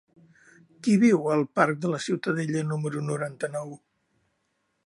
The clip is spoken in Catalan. Qui viu al parc de la Ciutadella número noranta-nou?